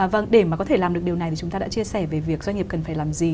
vâng để mà có thể làm được điều này thì chúng ta đã chia sẻ về việc doanh nghiệp cần phải làm gì